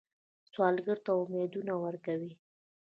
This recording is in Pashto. سوالګر ته امیدونه ورکوئ